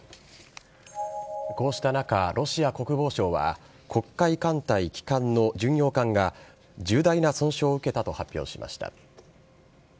こうした中、ロシア国防省は黒海艦隊旗艦の巡洋艦が重大な損傷を受けたと発表しました。